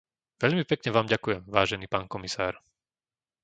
Veľmi pekne vám ďakujem, vážený pán komisár.